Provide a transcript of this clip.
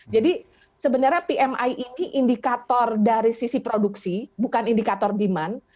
sebenarnya pmi ini indikator dari sisi produksi bukan indikator demand